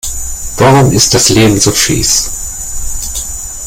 Warum ist das Leben so fieß?